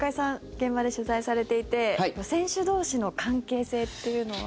現場で取材されていて選手同士の関係性というのは。